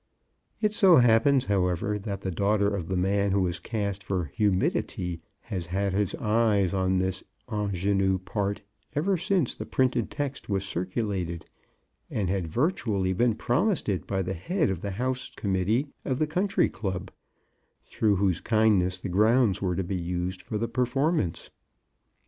It so happens, however, that the daughter of the man who is cast for Humidity has had her eyes on this ingénue part ever since the printed text was circulated and had virtually been promised it by the Head of the House Committee of the Country Club, through whose kindness the grounds were to be used for the performance.